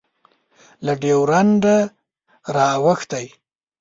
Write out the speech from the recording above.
له ډیورنډه رااوښتی